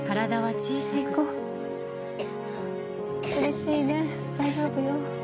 苦しいね、大丈夫よ。